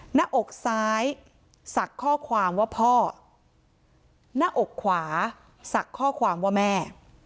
หน้าอกซ้ายศักดิ์ข้อความว่าพ่อหน้าอกขวาสักข้อความว่าแม่